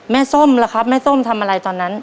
แม่ซ่มล่ะครับแม่ซ่มทำอะไรตอนนั้น